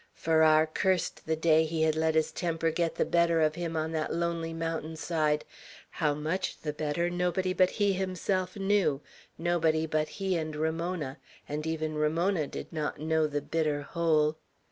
Farrar cursed the day he had let his temper get the better of him on that lonely mountainside; how much the better, nobody but he himself knew, nobody but he and Ramona: and even Ramona did not know the bitter whole.